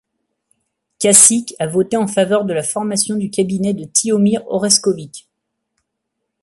Čačić a voté en faveur de la formation du Cabinet de Tihomir Orešković.